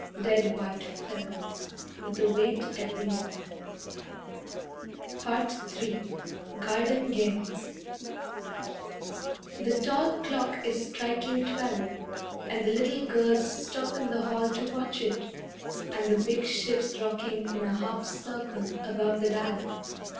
Dead white feathers, With a weight at the end. III Garden Games The tall clock is striking twelve; And the little girls stop in the hall to watch it, And the big ships rocking in a half circle Above the dial.